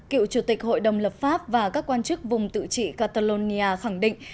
cựu chủ tịch hội đồng lập pháp và các quan chức vùng tự trị catalonia khẳng định